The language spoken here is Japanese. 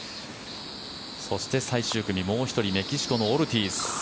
そして最終組、もう１人メキシコのオルティーズ。